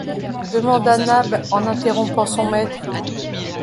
demanda Nab en interrompant son maître.